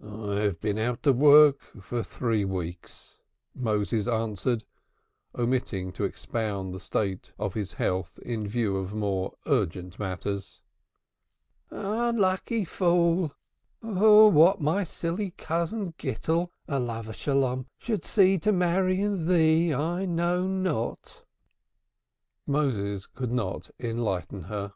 "I have been out of work for three weeks," Moses answered, omitting to expound the state of his health in view of more urgent matters. "Unlucky fool! What my silly cousin Gittel, peace be upon him, could see to marry in thee, I know not." Moses could not enlighten her.